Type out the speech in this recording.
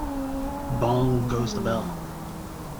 Bong goes the bell.